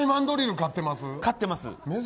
飼ってます。